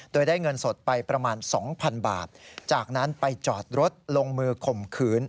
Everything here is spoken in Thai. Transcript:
โดยได้เงินสดไปประมาณ๒๐๐๐บาทจากนั้นไปจอดรถลงมือข่มขืน